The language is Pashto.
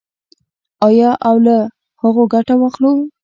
آیا او له هغو ګټه واخلو؟